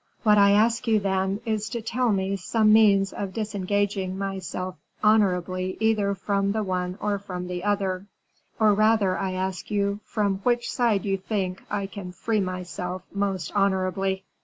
What I ask you, then, is to tell me some means of disengaging myself honorably either from the one or from the other; or rather, I ask you, from which side you think I can free myself most honorably."